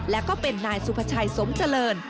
และก็เป็นนายสุภาชัยสมเจริญ